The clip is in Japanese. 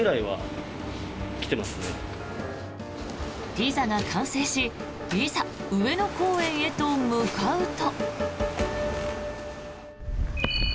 ピザが完成しいざ、上野公園へと向かうと。